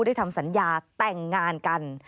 ได้ทำสัญญาแต่งงานกัน